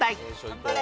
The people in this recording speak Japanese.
頑張れ！